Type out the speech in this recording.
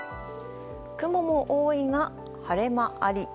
雲も多いが、晴れ間あり。